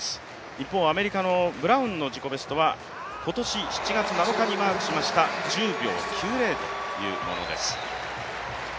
一方、アメリカのブラウンの自己ベストは今年７月７日にマークしました１０秒９０というものです。